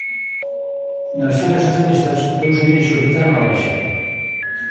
Nas filas socialistas, dous edís solicitaron a baixa.